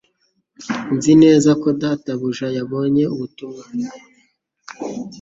Nzi neza ko data buja yabonye ubutumwa